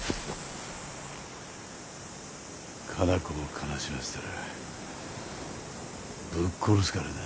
カナコを悲しませたらぶっ殺すからな。